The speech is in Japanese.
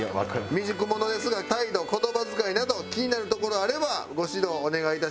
「未熟者ですが態度言葉使い等気になる所あればご指導お願い致します」